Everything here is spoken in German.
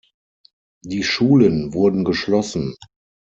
Die Schulen wurden geschlossen.